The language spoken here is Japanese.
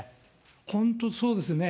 本当そうですね。